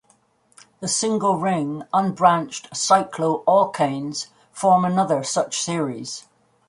The single-ring unbranched cycloalkanes form another such series.